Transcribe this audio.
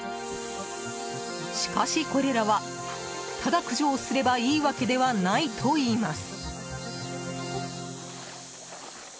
しかし、これらはただ駆除をすればいいわけではないといいます。